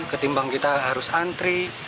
kedimbang kita harus antri